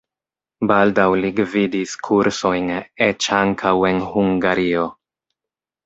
Baldaŭ li gvidis kursojn, eĉ ankaŭ en Hungario.